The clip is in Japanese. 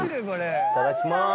いただきます。